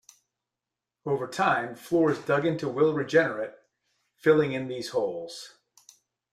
Over time, floors dug into will regenerate, filling in these holes.